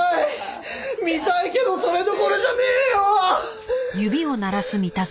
見たいけどそれどころじゃねえよ！